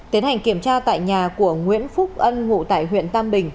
tiến hành kiểm tra tại nhà của nguyễn phúc ân ngụ tại huyện tam bình